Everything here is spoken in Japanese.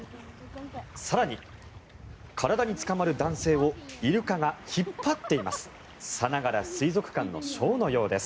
更に、体につかまる男性をイルカが引っ張っています。